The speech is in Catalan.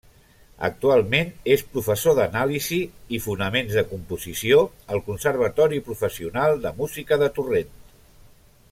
Actualment és professor d'Anàlisi i Fonaments de Composició al Conservatori Professional de Música de Torrent.